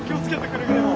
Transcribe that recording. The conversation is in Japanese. くれぐれも。